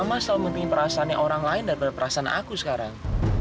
mama selalu memilih perasaannya orang lain daripada perasaan aku sekarang